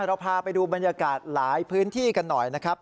เราพาไปดูบรรยากาศหลายพื้นที่กันหน่อยนะครับ